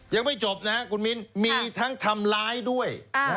ยังไม่จบนะครับคุณมิ้นมีทั้งทำร้ายด้วย